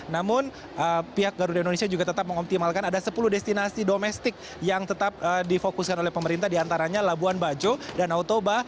namun pihak garuda indonesia juga tetap mengoptimalkan ada sepuluh destinasi domestik yang tetap difokuskan oleh pemerintah diantaranya labuan bajo dan autoba